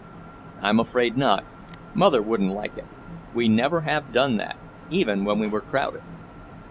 "I'm afraid not. Mother wouldn't like it. We never have done that, even when we were crowded."